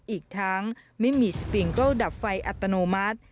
อีกทั้งไม่มีสปิงเกิลดับไฟอัตโนมัติ